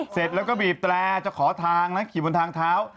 เสร็จแล้วก็บีบแตรจะขอทางนะขี่บนทางเท้า